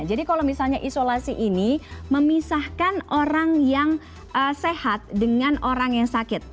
jadi kalau misalnya isolasi ini memisahkan orang yang sehat dengan orang yang sakit